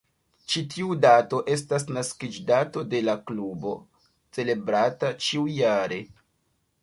Ĉi tiu dato estas naskiĝtago de la Klubo, celebrata ĉiujare.